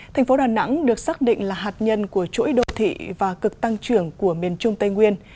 thành phố đà nẵng được xác định là hạt nhân của chuỗi đô thị và cực tăng trưởng của miền trung tây nguyên